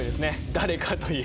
誰か？という。